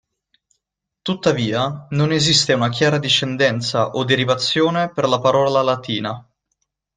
Tuttavia, non esiste una chiara discendenza o derivazione per la parola latina.